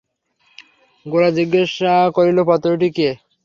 গোরা জিজ্ঞাসা করিল, পাত্রটি কে?